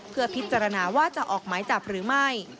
เพื่อพิจารณาว่าจะออกหมายจับหรือไม่